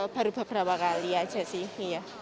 baru beberapa kali aja sih